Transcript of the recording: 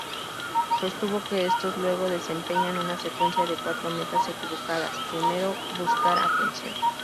Sostuvo que estos luego desempeñan una secuencia de cuatro metas equivocadas: primero, buscar atención.